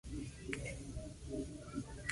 La tela resultante se seca al sol.